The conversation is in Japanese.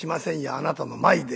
あなたの前で。